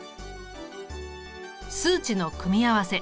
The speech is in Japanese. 数値の組み合わせ。